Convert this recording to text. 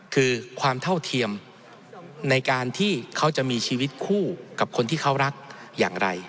คือความเท่าเทียมในการที่เขาจะมีชีวิตคู่กับคนที่เขารักอย่างไร